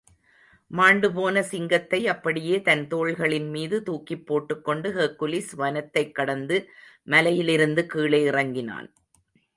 மாண்டுபோன சிங்கத்தை அப்படியே தன் தோள்களின்மீது தூக்கிப் போட்டுக்கொண்டு, ஹெக்குலிஸ் வனத்தைக் கடந்து, மலையிலிருந்து இழே இறங்கினான்.